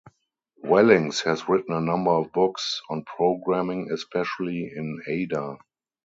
Wellings has written a number of books on programming, especially in Ada.